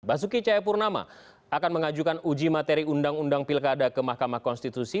basuki cahayapurnama akan mengajukan uji materi undang undang pilkada ke mahkamah konstitusi